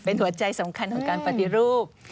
เป็นหัวใจสำคัญของการปฏิรูป